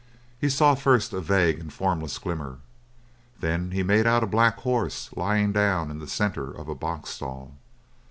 He saw first a vague and formless glimmer. Then he made out a black horse lying down in the centre of a box stall.